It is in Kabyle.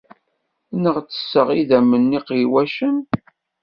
Neɣ ttesseɣ idammen n yiqelwacen?